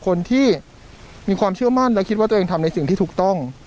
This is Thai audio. คนที่มีความเชื่อมั่นและคิดว่าตัวเองทำในสิ่งที่ถูกต้อง